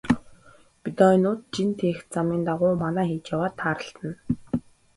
Бедоинууд жин тээх замын дагуу манаа хийж яваад тааралдана.